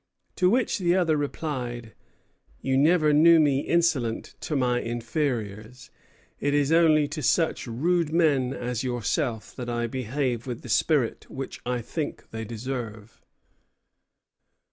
To which the other replied: 'You never knew me insolent to my inferiors. It is only to such rude men as yourself that I behave with the spirit which I think they deserve.'"